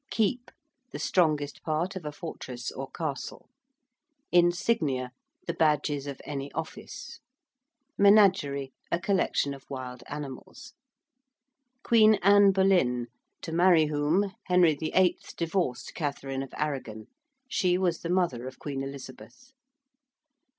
~keep~: the strongest part of a fortress or castle. ~insignia~: the badges of any office. ~menagerie~: a collection of wild animals. ~Queen Anne Boleyn~, to marry whom, Henry VIII. divorced Catherine of Aragon. She was the mother of Queen Elizabeth.